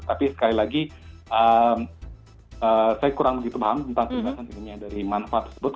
tapi sekali lagi saya kurang begitu paham tentang kebebasan ilmiah dari manfaat tersebut